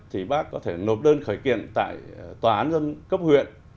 thì bác có thể nộp đơn khởi kiện tại tòa án dân cấp huyện